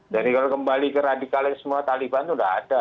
dan ini kalau kembali ke radikalisme taliban itu tidak ada